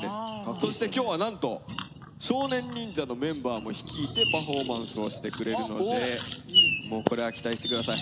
そして今日はなんと少年忍者のメンバーも率いてパフォーマンスをしてくれるのでもうこれは期待して下さい。